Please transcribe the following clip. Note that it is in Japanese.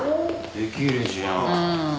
できるじゃん。